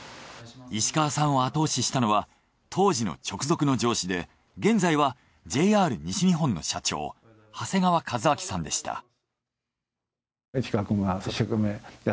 石川さんを後押ししたのは当時の直属の上司で現在はＪＲ西日本の社長長谷川一明さんでした。